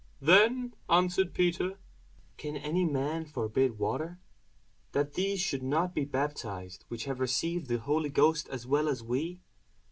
Then answered Peter, Can any man forbid water, that these should not be baptized, which have received the Holy Ghost as well as we?